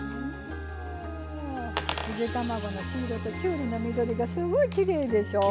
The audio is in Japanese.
ゆで卵の黄色ときゅうりの緑がすごいきれいでしょ。